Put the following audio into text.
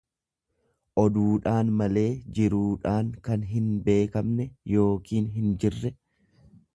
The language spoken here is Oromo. oduudhaan malee jiruudhaan kan hinbeekamne yookiin kan hinjirre.